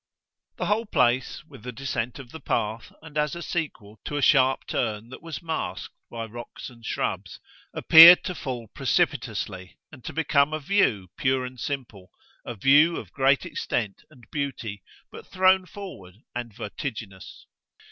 The whole place, with the descent of the path and as a sequel to a sharp turn that was masked by rocks and shrubs, appeared to fall precipitously and to become a "view" pure and simple, a view of great extent and beauty, but thrown forward and vertiginous.